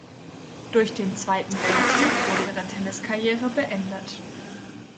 Durch den Zweiten Weltkrieg wurde ihre Tenniskarriere beendet.